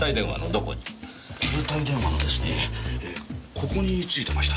ここについてました。